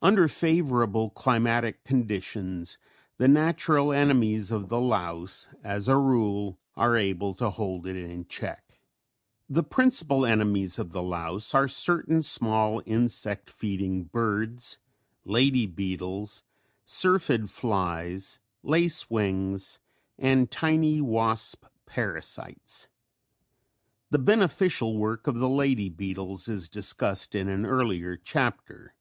Under favorable climatic conditions the natural enemies of the louse as a rule are able to hold it in check. The principal enemies of the louse are certain small insect feeding birds, lady beetles, syrphid flies, lace wings and tiny wasp parasites. The beneficial work of the lady beetles is discussed in an earlier chapter.